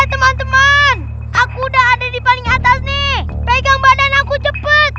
hei temen temen aku udah ada di paling atas nih pegang badan aku cepet